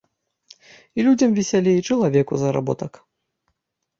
І людзям весялей і чалавеку заработак.